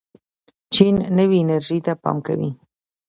چین نوې انرژۍ ته پام کوي.